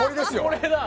これだ。